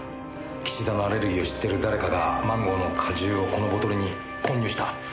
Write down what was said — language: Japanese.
岸田のアレルギーを知ってる誰かがマンゴーの果汁をこのボトルに混入した。